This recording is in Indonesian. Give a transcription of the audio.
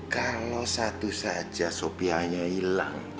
kalau satu saja sofia nya hilang